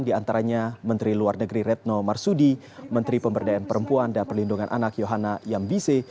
di antaranya menteri luar negeri retno marsudi menteri pemberdayaan perempuan dan perlindungan anak yohana yambise